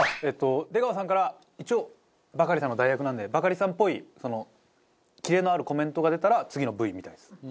出川さんから一応バカリさんの代役なんでバカリさんっぽいキレのあるコメントが出たら次のＶみたいです。